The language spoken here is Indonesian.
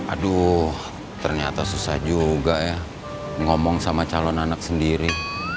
aduh ternyata susah juga ya ngomong sama calon anak sendiri